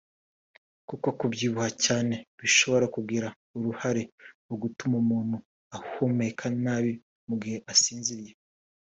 kuko kubyibuha cyane bishobora kugira uruhare mu gutuma umuntu ahumeka nabi mu gihe asinziriye